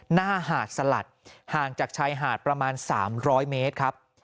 หน้าหาดสลัดห่างจากชายหาดประมาณ๓๐๐เมตรครับ